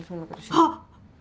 あっ！